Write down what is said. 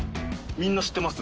みんな知ってます？